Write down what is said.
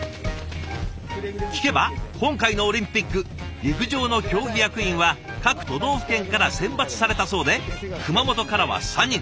聞けば今回のオリンピック陸上の競技役員は各都道府県から選抜されたそうで熊本からは３人。